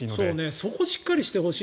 そこをしっかりしてほしい。